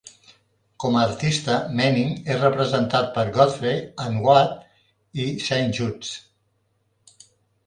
Com a artista, Manning és representat per Godfrey and Watt, i Saint Judes.